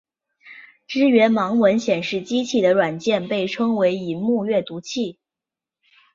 支援盲文显示机的软件被称为萤幕阅读器。